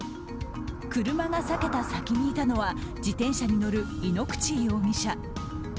車が避けた先にいたのは自転車に乗る井ノ口容疑者。